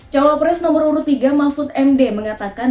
cawapres nomor urut tiga mahfud md mengatakan